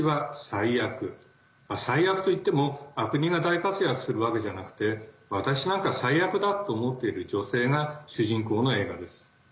最悪といっても悪人が大活躍するわけじゃなくて私なんか最悪だと思っている女性が主人公の映画です。